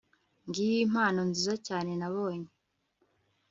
ngiyo impano nziza cyane nabonye